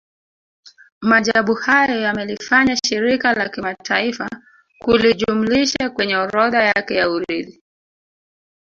Maajabu hayo yamelifanya Shirika la Kimataifa kulijumlisha kwenye orodha yake ya urithi